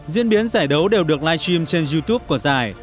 diễn biến giải đấu đều được live stream trên youtube của giải